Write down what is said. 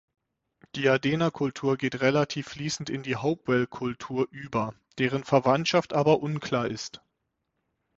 Die Adena-Kultur geht relativ fließend in die Hopewell-Kultur über, deren Verwandtschaft aber unklar ist.